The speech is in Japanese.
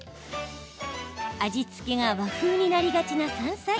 味付けが和風になりがちな山菜。